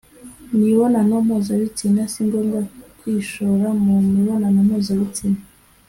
mibonano mpuzabitsina. Singomba kwishora mu mibonano mpuzabitsina